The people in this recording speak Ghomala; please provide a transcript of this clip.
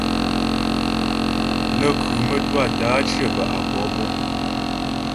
Nə́ khʉ mə́twâ tə́ á cyə bə́ á kɔ'ɔ buŋ.